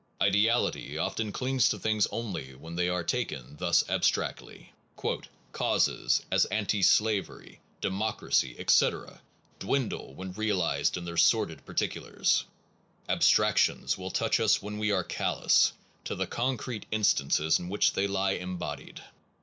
Ideality often clings to things only when they are taken thus abstractly. " Causes, as anti slavery, democracy, etc., dwindle when realized in their sordid particulars. Abstrac tions will touch us when we are callous to the concrete instances in which they lie embodied.